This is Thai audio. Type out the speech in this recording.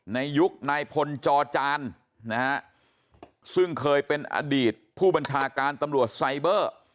ในยุคนายพลจอจานนะฮะซึ่งเคยเป็นอดีตผู้บัญชาการตำรวจไซเบอร์